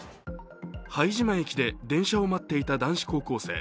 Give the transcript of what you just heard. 拝島駅で電車を待っていた男子高校生。